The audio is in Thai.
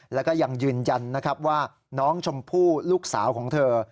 และก็ยังยืนยันว่าน้องชมพู่ลูกสาวของเธอ